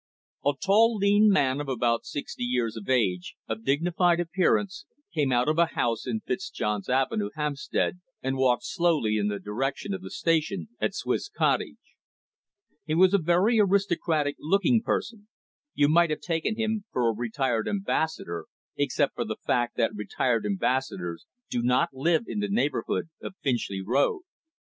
A tall, lean man of about sixty years of age, of dignified appearance, came out of a house in Fitzjohn's Avenue, Hampstead, and walked slowly in the direction of the station at Swiss Cottage. He was a very aristocratic looking person; you might have taken him for a retired ambassador, except for the fact that retired ambassadors do not live in the neighbourhood of Finchley Road.